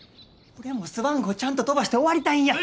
俺もスワン号ちゃんと飛ばして終わりたいんや。